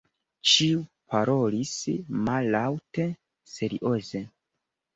Ĉiuj parolis mallaŭte, serioze.